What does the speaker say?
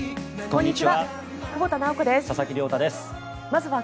こんにちは。